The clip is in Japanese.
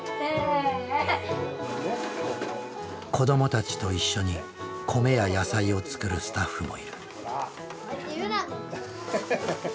子どもたちと一緒に米や野菜を作るスタッフもいる。